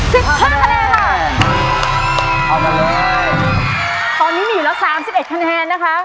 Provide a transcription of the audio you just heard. สิบห้าคะแนนค่ะเอามาเลยตอนนี้มีอยู่แล้วสามสิบเอ็ดคะแนนนะคะ